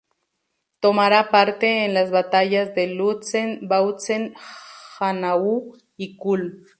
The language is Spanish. Tomará parte en las batallas de Lützen, Bautzen, Hanau y Kulm.